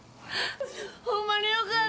ホンマによかった！